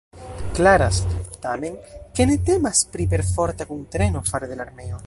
Klaras, tamen, ke ne temas pri perforta kuntreno fare de la armeo.